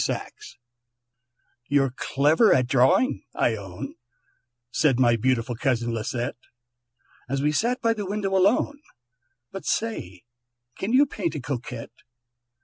SAXE "You're clever at drawing, I own," Said my beautiful cousin Lisette, As we sat by the window alone, "But say, can you paint a Coquette?"